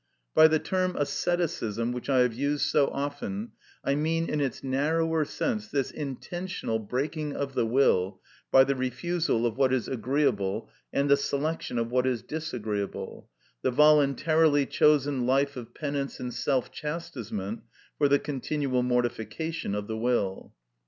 By the term asceticism, which I have used so often, I mean in its narrower sense this intentional breaking of the will by the refusal of what is agreeable and the selection of what is disagreeable, the voluntarily chosen life of penance and self chastisement for the continual mortification of the will.